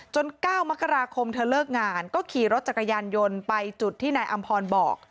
๙มกราคมเธอเลิกงานก็ขี่รถจักรยานยนต์ไปจุดที่นายอำพรบอก